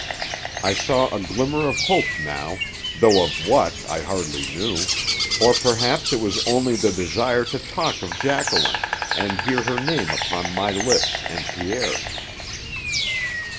I saw a glimmer of hope now, though of what I hardly knew; or perhaps it was only the desire to talk of Jacqueline and hear her name upon my lips and Pierre's.